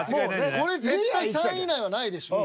これ絶対３位以内はないでしょう。